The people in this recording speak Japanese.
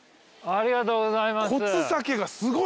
ありがとうございます。